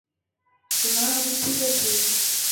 সোনা, আমি ঠিক আছি।